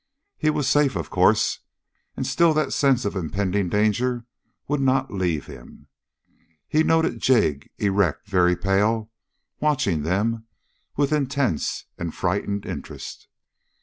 He was safe, of course, and still that sense of impending danger would not leave him. He noted Jig, erect, very pale, watching them with intense and frightened interest.